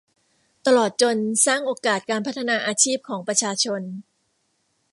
ตลอดจนสร้างโอกาสการพัฒนาอาชีพของประชาชน